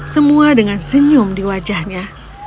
semua dengan senyum di wajahnya